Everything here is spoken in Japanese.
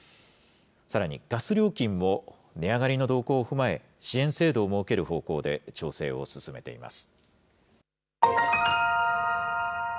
さらにガス料金も値上がりの動向を踏まえ、支援制度を設ける方向で調整を進めています。